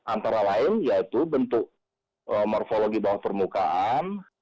antara lain yaitu bentuk morfologi bawah permukaan